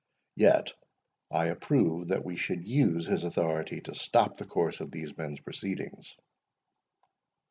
Yet I approve that we should use his authority to stop the course of these men's proceedings."